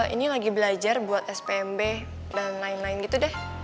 ini lagi belajar buat spmb dan lain lain gitu deh